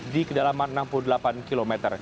di kedalaman enam puluh delapan km